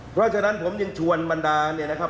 เพราะฉะนั้นผมยังชวนบรรดาเนี่ยนะครับ